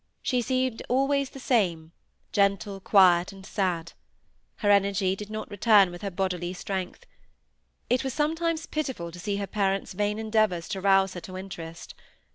She seemed always the same, gentle, quiet, and sad. Her energy did not return with her bodily strength. It was sometimes pitiful to see her parents' vain endeavours to rouse her to interest.